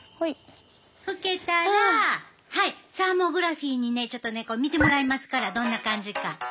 拭けたらサーモグラフィーにねちょっと見てもらいますからどんな感じか。